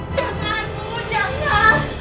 jangan bu jangan